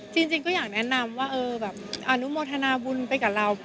จริงก็อยากแนะนำว่าแบบอนุโมทนาบุญไปกับเรา